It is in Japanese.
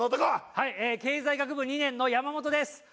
はい経済学部２年の山本です。